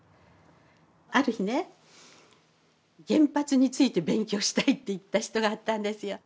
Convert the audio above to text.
ある日ね「原発について勉強したい」って言った人があったんですよ。